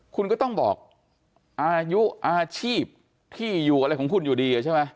คุณก็ต้องบอกอายุอาชีพที่อยู่อะไรของคุณอยู่ดีใช่ไหม